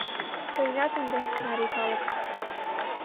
Тыйынат ынде, марий калык